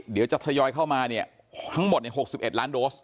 เดี๋ยวจะทยอยเข้ามาเนี่ยทั้งหมด๖๑ล้านโดส